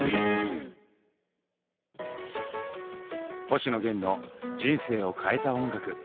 星野源の人生を変えた音楽。